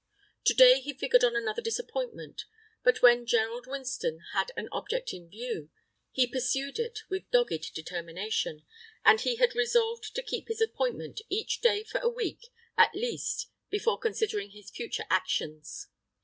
To day he figured on another disappointment; but when Gerald Winston had an object in view he pursued it with dogged determination, and he had resolved to keep his appointment each day for a week at least before considering his future actions.